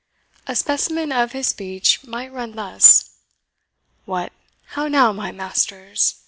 A specimen of his speech might run thus: "What, how now, my masters?"